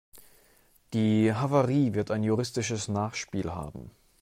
Die Havarie wird ein juristisches Nachspiel haben.